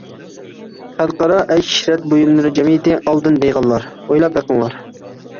خەلقئارا ئەيش-ئىشرەت بۇيۇملىرى جەمئىيىتى. ئالدىن بېيىغانلار، ئويلاپ بېقىڭلار!